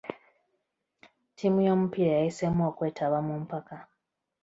Ttiimu y'omupiira yayiseemu okwetaba mu mpaka.